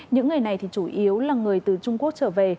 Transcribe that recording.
những người này thì chủ yếu là người từ trung quốc trở về